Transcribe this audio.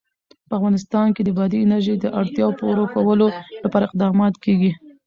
په افغانستان کې د بادي انرژي د اړتیاوو پوره کولو لپاره اقدامات کېږي.